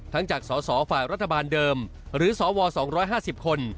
ทั้งจากสสฝรัฐบาลเดิมหรือสว๒๕๐คน